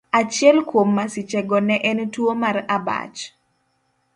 Achiel kuom masichego ne en tuwo mar abach.